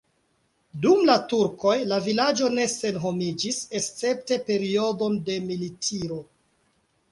Dum la turkoj la vilaĝo ne senhomiĝis, escepte periodon de militiro.